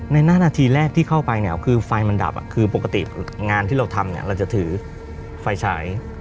หน้านาทีแรกที่เข้าไปเนี่ยคือไฟมันดับคือปกติงานที่เราทำเนี่ยเราจะถือไฟฉาย